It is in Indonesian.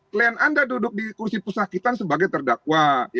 klien anda duduk di kursi pesakitan sebagai terdakwa